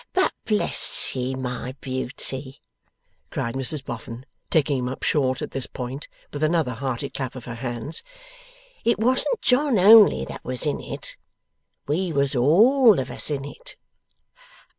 'But bless ye, my beauty!' cried Mrs Boffin, taking him up short at this point, with another hearty clap of her hands. 'It wasn't John only that was in it. We was all of us in it.